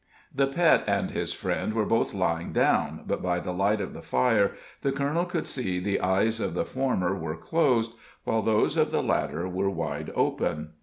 The Pet and his friend were both lying down, but by the light of the fire the colonel could see the eyes of the former were closed, while those of the latter were wide open.